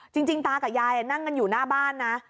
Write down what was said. จริงตากับยายนั่งกันอยู่หน้าบ้านนะ